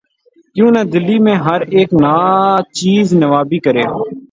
کیوں نہ دلی میں ہر اک ناچیز نوّابی کرے